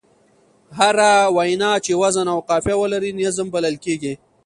هره وينا چي وزن او قافیه ولري؛ نظم بلل کېږي.